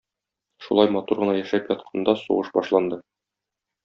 Шулай матур гына яшәп ятканда сугыш башланды.